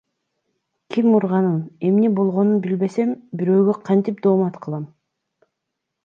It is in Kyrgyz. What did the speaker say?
Ким урганын, эмне болгонун билбесем, бирөөгө кантип доомат кылам?